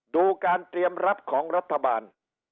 ดูการเตรียมรับของรัฐบาล